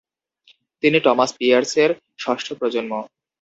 তিনি টমাস পিয়ের্সের ষষ্ঠ প্রজন্ম।